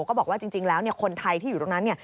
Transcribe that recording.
ก็บอกว่าจริงแล้วคนไทยที่อยู่ตรงนั้นเนี่ย